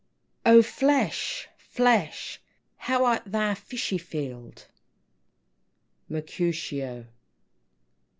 "Oh flesh, flesh, how art thou fishified!" MERCUTIO I.